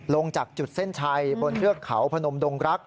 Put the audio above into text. ลงจากจุดเส้นชัยบนเทือกเขาพนมดงรัก